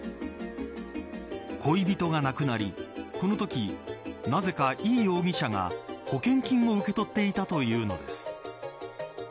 恋人が亡くなり、このときなぜかイ容疑者が保険金を受け取っていたというのです。